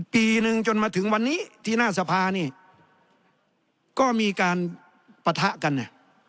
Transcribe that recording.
ปีนึงจนมาถึงวันนี้ที่หน้าสภานี่ก็มีการปะทะกันเนี่ย